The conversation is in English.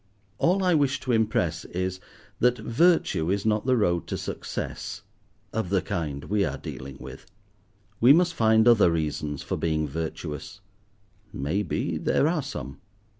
All I wish to impress is, that virtue is not the road to success—of the kind we are dealing with. We must find other reasons for being virtuous; maybe, there are some.